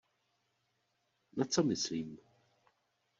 Na co myslím?